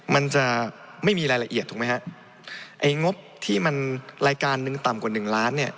มันจะไม่มีรายละเอียดถูกไหมฮะไอ้งบที่มันรายการหนึ่งต่ำกว่าหนึ่งล้านเนี่ย